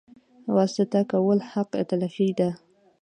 واسطه کول حق تلفي ده